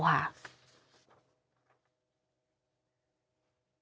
ก็แสดงความเสียใจด้วยจริงกับครอบครัวนะคะ